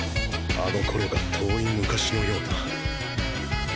あの頃が遠い昔のようだ